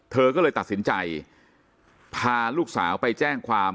เธอก็เลยตัดสินใจพาลูกสาวไปแจ้งความ